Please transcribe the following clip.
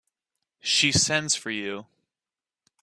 She sends for you.